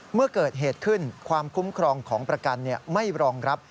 เมื่อเกิดเหตุขึ้นความคุ้มครองของประกันไม่รองรับ